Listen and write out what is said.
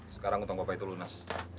sekarang utang bapak itu lunas